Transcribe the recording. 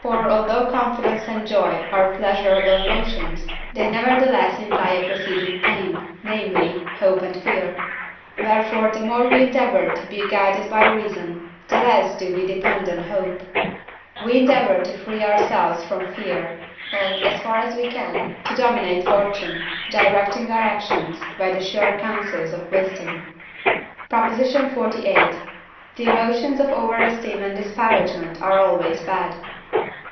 For although confidence and joy are pleasurable emotions, they nevertheless imply a preceding pain, namely, hope and fear. Wherefore the more we endeavour to be guided by reason, the less do we depend on hope; we endeavour to free ourselves from fear, and, as far as we can, to dominate fortune, directing our actions by the sure counsels of wisdom. PROP. XLVIII. The emotions of over esteem and disparagement are always bad.